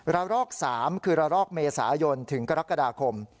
รอก๓คือระลอกเมษายนถึงกรกฎาคม